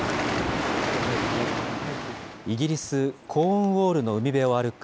イギリス・コーンウォールの海辺を歩く